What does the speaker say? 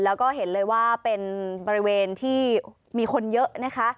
แล้วก็เห็นเลยว่าเป็นบริเวณที่มีคนเยอะนะคะ